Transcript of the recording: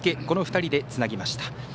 この２人でつなぎました。